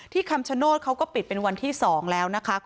ที่คำชโนธเขาก็ปิดเป็นวันที่๒แล้วนะคะคุณผู้ชม